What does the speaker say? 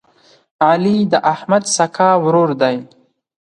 علي د احمد سکه ورور دی.